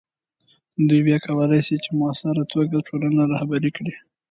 دوی بیا کولی سي په مؤثره توګه ټولنه رهبري کړي.